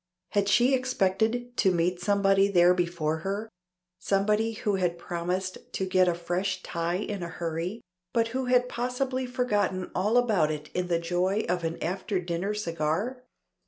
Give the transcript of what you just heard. Had she expected to meet somebody there before her somebody who had promised to get a fresh tie in a hurry, but who had possibly forgotten all about it in the joy of an after dinner cigar?